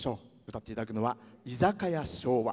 歌っていただくのは「居酒屋『昭和』」。